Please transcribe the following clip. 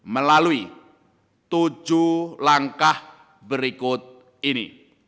melalui tujuh langkah berikut ini